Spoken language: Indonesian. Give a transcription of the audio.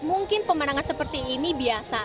mungkin pemandangan seperti ini biasa